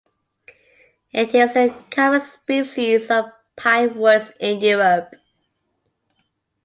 It is a common species of pine woods in Europe.